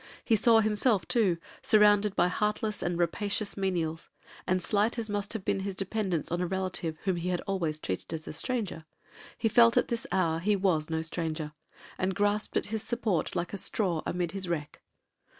He saw himself, too, surrounded by heartless and rapacious menials; and slight as must have been his dependence on a relative whom he had always treated as a stranger, he felt at this hour he was no stranger, and grasped at his support like a straw amid his wreck.